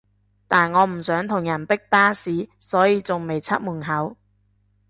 但我唔想同人逼巴士所以仲未出門口